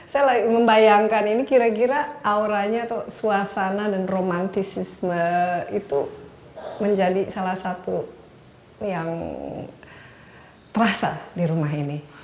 saya membayangkan ini kira kira auranya atau suasana dan romantisisme itu menjadi salah satu yang terasa di rumah ini